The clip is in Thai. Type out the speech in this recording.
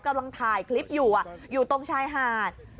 กำลังถ่ายคลิปอยู่อยู่ตรงชายหาด